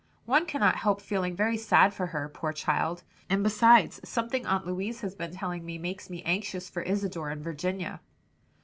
One cannot help feeling very sad for her, poor child! and besides something Aunt Louise has been telling me, makes me anxious for Isadore and Virginia."